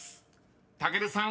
［武尊さん